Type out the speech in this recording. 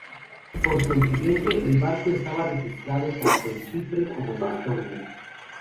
Por consiguiente, el barco estaba registrado tanto en Chipre como en Estonia.